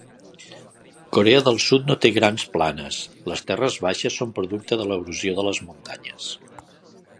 Corea del Sud no té grans planes; les terres baixes són producte de l'erosió de les muntanyes.